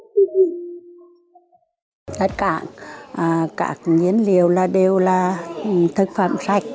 tất cả các nhiên liệu đều là thực phẩm sạch